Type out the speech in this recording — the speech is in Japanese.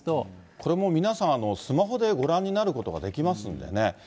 これもう、皆さん、スマホでご覧になることができますんでね。